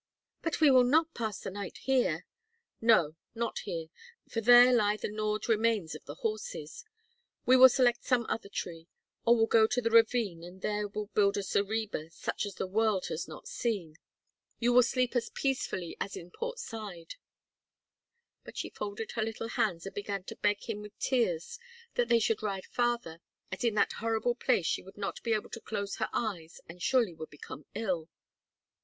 "But we will not pass the night here." "No, not here, for there lie the gnawed remains of the horses; we will select some other tree, or will go to the ravine and there will build a zareba such as the world has not seen. You will sleep as peacefully as in Port Said." But she folded her little hands and began to beg him with tears that they should ride farther, as in that horrible place she would not be able to close her eyes and surely would become ill.